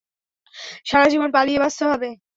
সারাজীবন পালিয়ে বাঁচতে হবে।